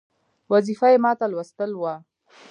وظیفه یې ماته لوستل وه.